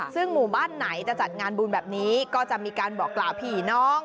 ซึ่งหมู่บ้านไหนจะจัดงานบุญแบบนี้ก็จะมีการบอกกล่าวผีน้อง